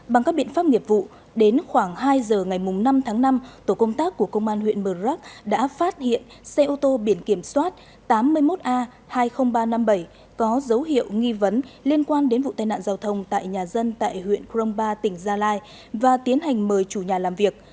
bằng các biện pháp nghiệp vụ đến khoảng hai giờ ngày năm tháng năm tổ công tác của công an huyện mờ rắc đã phát hiện xe ô tô biển kiểm soát tám mươi một a hai mươi nghìn ba trăm năm mươi bảy có dấu hiệu nghi vấn liên quan đến vụ tai nạn giao thông tại nhà dân tại huyện krong ba tỉnh gia lai và tiến hành mời chủ nhà làm việc